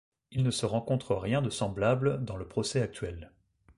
Il ne se rencontre rien de semblable dans le procès actuel.